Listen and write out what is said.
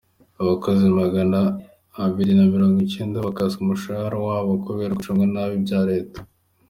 Abakozi Magana abiri na mirongo icyenda bakaswe umushahara wabo kubera gucunga nabi ibya Leta